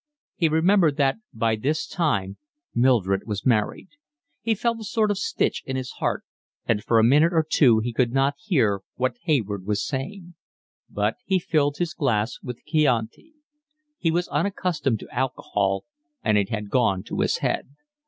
He remembered that by this time Mildred was married. He felt a sort of stitch in his heart, and for a minute or two he could not hear what Hayward was saying. But he filled his glass with Chianti. He was unaccustomed to alcohol and it had gone to his head.